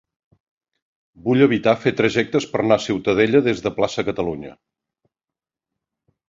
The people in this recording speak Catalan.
Vull evitar fer trajectes per anar a Ciutadella des de Plaça Catalunya.